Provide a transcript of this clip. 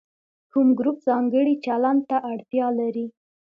کوم ګروپ ځانګړي چلند ته اړتیا لري.